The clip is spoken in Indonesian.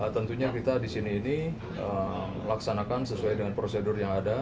tentunya kita di sini ini melaksanakan sesuai dengan prosedur yang ada